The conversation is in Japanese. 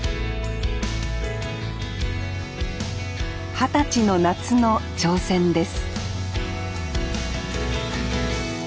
二十歳の夏の挑戦です